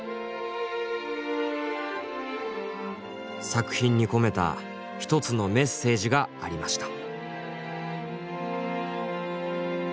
作品に込めたひとつのメッセージがありました。